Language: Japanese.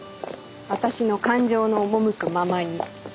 私の感情の赴くままに。